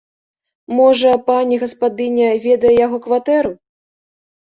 Можа, пані гаспадыня ведае яго кватэру?